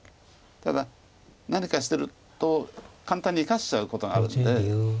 ただ何かしてると簡単に生かしちゃうことがあるんで。